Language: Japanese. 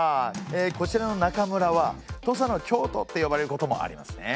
こちらの中村は土佐の京都って呼ばれることもありますね。